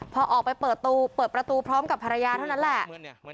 พอออกไปเปิดประตูพร้อมกับภรรยาเท่านั้นแหละ